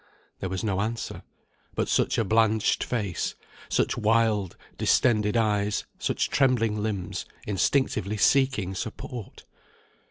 There was no answer; but such a blanched face, such wild, distended eyes, such trembling limbs, instinctively seeking support!